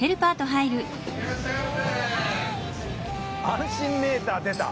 安心メーター出た。